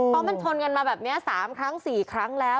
เพราะมันชนกันมาแบบนี้๓ครั้ง๔ครั้งแล้ว